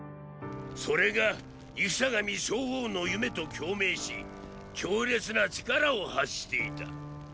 それが戦神昭王の夢と共鳴し強烈な力を発していた。